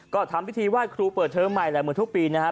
ก็ทำวิธีว่ายครูเปิดเสริมใหม่แรมุนทุกปีนะครับ